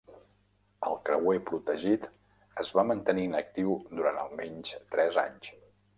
El creuer protegit es va mantenir inactiu durant almenys tres anys.